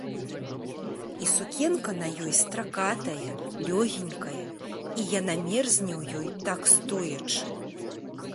І сукенка на ёй стракатая, лёгенькая, і яна мерзне ў ёй, так стоячы.